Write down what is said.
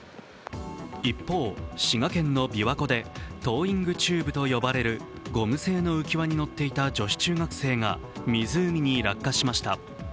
一方、滋賀県のびわ湖で、トーイングチューブと呼ばれるゴム製の浮き輪に乗っていた女子中学生が湖に落下しました。